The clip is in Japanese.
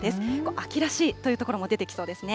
秋らしいという所も出てきそうですね。